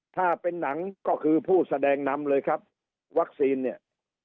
ถ้าเป็นหนังก็คือผู้แสดงนำเลยครับวัคซีนเนี่ย